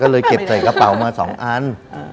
ก็เลยเก็บใส่กระเป๋ามา๒อัน